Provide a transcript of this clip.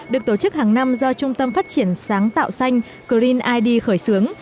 được tổ chức hàng năm do trung tâm phát triển sáng tạo xanh greenid khởi xướng